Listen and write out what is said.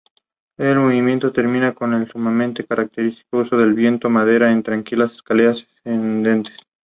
La canción es el octavo sencillo navideño consecutivo que el grupo publica cada año.